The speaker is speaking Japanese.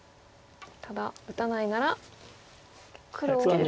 ただ打たないならツケると。